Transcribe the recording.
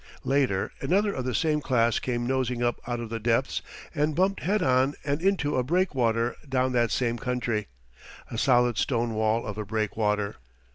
Later another of the same class came nosing up out of the depths, and bumped head on and into a breakwater down that same country a solid stone wall of a breakwater.